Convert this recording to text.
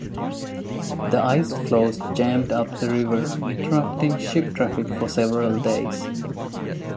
The ice flows jammed up the river, interrupting ship traffic for several days.